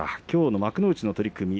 きょうの幕内の取組